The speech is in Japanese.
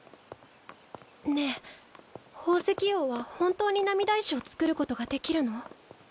ねえ宝石王は本当に涙石を作ることができるの？